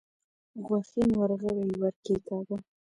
غوښين ورغوی يې ور کېکاږه.